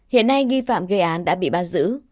hiện nay nghi phạm gây án đã bị bắt giữ